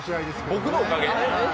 僕のおかげ？